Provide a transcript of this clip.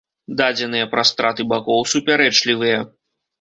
Дадзеныя пра страты бакоў супярэчлівыя.